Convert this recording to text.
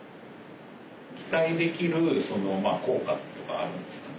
期待できる効果とかあるんですかね？